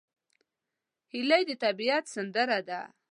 هیلۍ د طبیعت سندره ده